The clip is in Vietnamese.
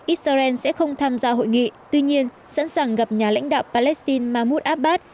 israel sẽ không tham gia hội nghị tuy nhiên sẵn sàng gặp nhà lãnh đạo palestine mahmoud abbas